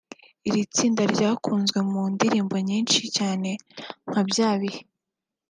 Iri tsinda ryakunzwe mu ndirimbo nyinshi cyane nka Bya bihe